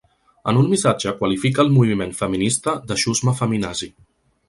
En un missatge qualifica el moviment feminista de “xusma feminazi”.